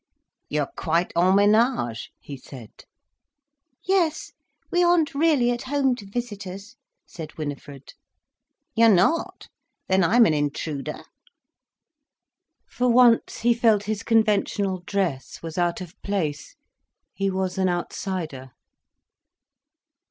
"You are quite en ménage," he said. "Yes. We aren't really at home to visitors," said Winifred. "You're not? Then I'm an intruder?" For once he felt his conventional dress was out of place, he was an outsider.